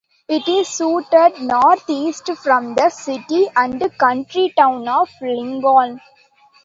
It is situated north-east from the city and county town of Lincoln.